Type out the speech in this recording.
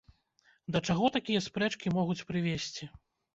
Да чаго такія спрэчкі могуць прывесці?